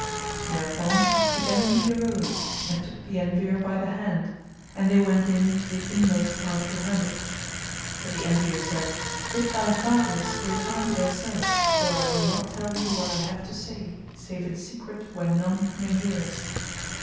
Thereupon the Envied arose and took the Envier by the hand, and they went in to the inmost part of the hermitage; but the Envier said, "Bid thy Fakirs retire to their cells, for I will not tell thee what I have to say, save in secret where none may hear us."